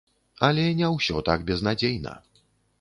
Але не ўсё так безнадзейна.